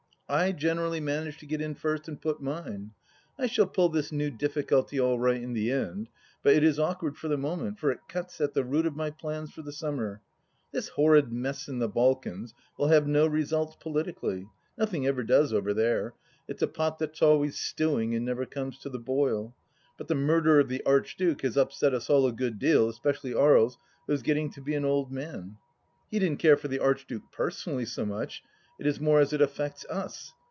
I generally manage to get in first and put mine. I shall pull this new difficulty all right in the end, but it is awkward for the moment, for it cuts at the root of my plans for the summer. This horrid mess in the Balkans will have no results politically, nothing ever does over there : it's a pot that's always stewing and never comes to the boil; but the murder of the Arch duke has upset us all a good deal, especially Aries, who is getting to be an old man. He didn't care for the Arch duke personally so much, it is more as it affects Us.